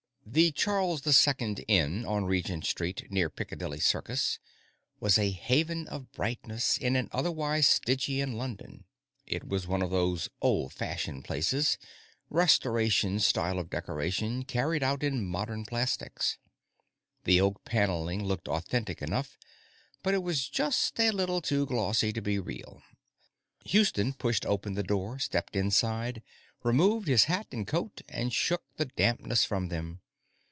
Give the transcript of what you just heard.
The Charles II Inn, on Regent Street, near Piccadilly Circus, was a haven of brightness in an otherwise Stygian London. It was one of those "old fashioned" places Restoration style of decoration, carried out in modern plastics. The oak panelling looked authentic enough, but it was just a little too glossy to be real. Houston pushed open the door, stepped inside, removed his hat and coat and shook the dampness from them.